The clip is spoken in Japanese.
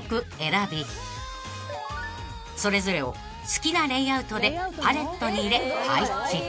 ［それぞれを好きなレイアウトでパレットに入れ配置］